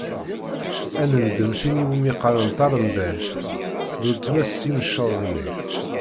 Ad neddem tin i wumi qqaren taremdalt, d uletma-s n yimceḍ-nni.